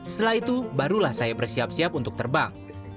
setelah itu barulah saya bersiap siap untuk terbang